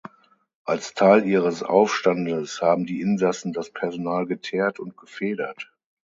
Als Teil ihres Aufstandes haben die Insassen das Personal geteert und gefedert.